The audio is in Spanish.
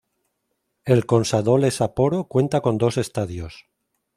El Consadole Sapporo cuenta con dos estadios.